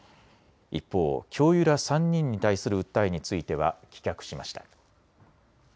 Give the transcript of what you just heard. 一方、教諭ら３人に対する訴えについては棄却しました。